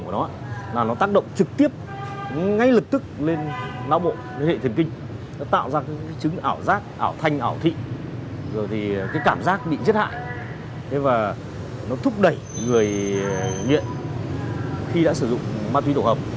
nó thúc đẩy người nghiện khi đã sử dụng ma túy tổng hợp